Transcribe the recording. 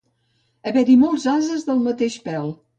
Haver-hi molts ases del mateix pèl.